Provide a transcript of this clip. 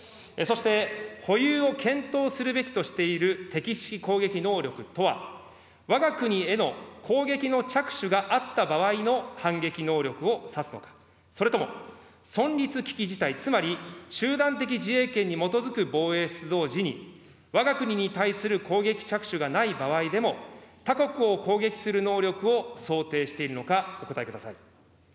そして保有を検討するべきとしている敵基地攻撃能力とは、わが国への攻撃の着手があった場合の反撃能力を指すと、それとも存立危機事態、つまり集団的自衛権に基づく防衛出動時に、わが国に対する攻撃着手がない場合でも、他国を攻撃する能力を想定しているのか、お答えください。